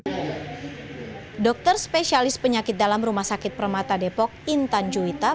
dokter spesialis penyakit dalam rumah sakit permata depok intan juwita